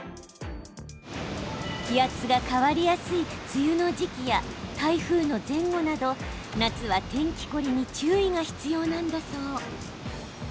気圧が変わりやすい梅雨の時期や台風の前後など、夏は天気凝りに注意が必要なんだそう。